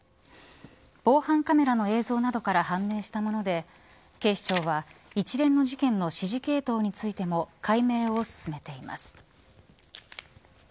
防犯カメラの映像などから判明したもので警視庁は一連の事件の指示系統についても解明を進めています。